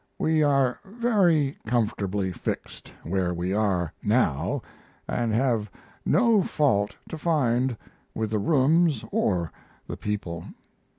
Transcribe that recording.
We are very comfortably fixed where we are now and have no fault to find with the rooms or the people.